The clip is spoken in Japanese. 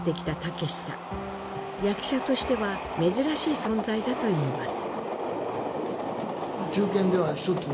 役者としては珍しい存在だと言います。